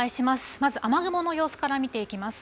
まず雨雲の様子から見ていきます。